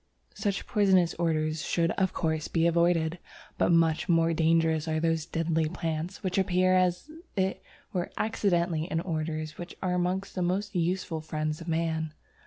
Such poisonous orders should of course be avoided, but much more dangerous are those deadly plants which appear as it were accidentally in orders which are amongst the most useful friends of man.